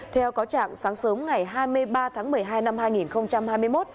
theo cáo trạng sáng sớm ngày hai mươi ba tháng một mươi hai năm hai nghìn hai mươi một